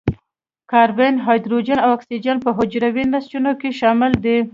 کاربن، هایدروجن او اکسیجن په حجروي نسجونو کې شامل دي.